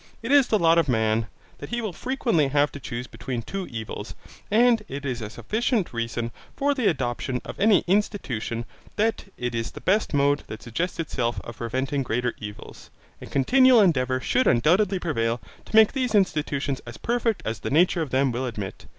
It is the lot of man, that he will frequently have to choose between two evils; and it is a sufficient reason for the adoption of any institution, that it is the best mode that suggests itself of preventing greater evils. A continual endeavour should undoubtedly prevail to make these institutions as perfect as the nature of them will admit.